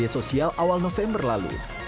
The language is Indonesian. media sosial awal november lalu